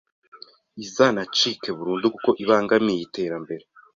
izanacike burundu kuko ibangamiye iterambere